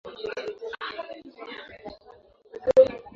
wazazi wanatakiwa wapimwe virusi vya ukimwi